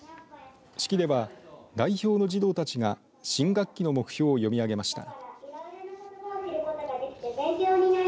式では代表の児童たちが新学期の目標を読み上げました。